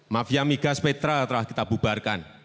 mafia migas petra telah kita bubarkan